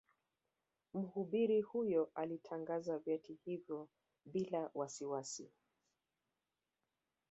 Mhubiri huyo alitangaza vyeti hivyo bila wasiwasi